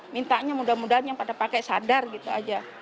mintanya mudah mudahan yang pada pakai sadar gitu aja